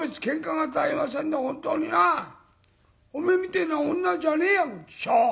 「本当になおめえみてえのは女じゃねえやこん畜生。